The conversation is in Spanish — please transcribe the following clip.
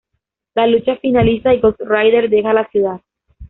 La lucha finaliza y Ghost Rider deja la ciudad.